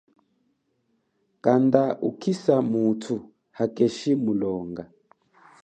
Kanda ukisa muthu hakeshi mulonga.